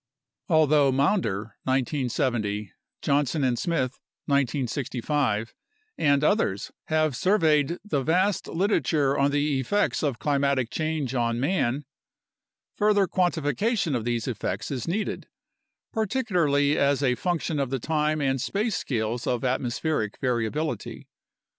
Al though Maunder (1970), Johnson and Smith (1965), and others have surveyed the vast literature on the effects of climatic change on man, further quantification of these effects is needed, particularly as a func tion of the time and space scales of atmospheric variability.